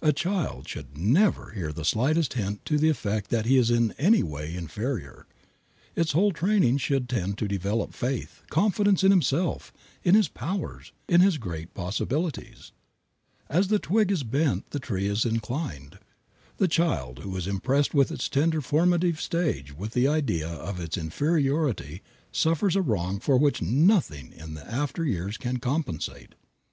A child should never hear the slightest hint to the effect that it is in any way inferior. Its whole training should tend to develop faith, confidence in himself, in his powers, in his great possibilities. As the twig is bent the tree is inclined. The child who is impressed in its tender formative stage with the idea of its inferiority suffers a wrong for which nothing in the after years can compensate.